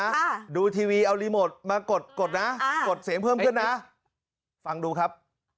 ค่ะดูทีวีเอารีโมทมากดกดนะอ่ากดเสียงเพิ่มขึ้นนะฟังดูครับ